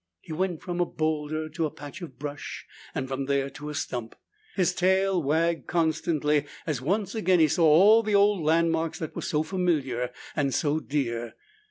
He went from a boulder to a patch of brush, and from there to a stump. His tail wagged constantly as once again he saw all the old landmarks that were so familiar and so dear.